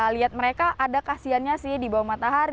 lihat mereka ada kasiannya sih di bawah matahari